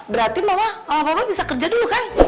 berarti mama mama bisa kerja dulu kan